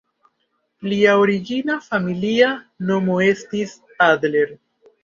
Lia origina familia nomo estis "Adler".